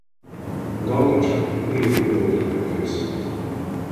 A dalnak csak lyric-vidoklipje készült.